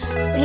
biar cinti ya